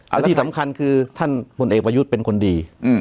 และที่สำคัญคือท่านพลเอกประยุทธ์เป็นคนดี